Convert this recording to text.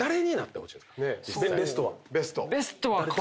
ベストは？